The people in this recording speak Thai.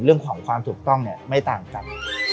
เรื่องของความถูกต้องเนี่ยไม่ต่างกัน